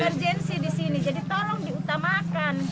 emergensi di sini jadi tolong diutamakan